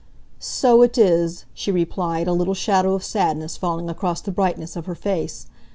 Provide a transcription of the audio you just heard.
"So it is," she replied, a little shadow of sadness falling across the brightness of her face.